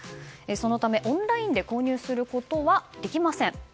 そのため、オンラインで購入することはできません。